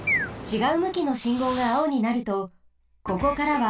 ちがうむきのしんごうがあおになるとここからは。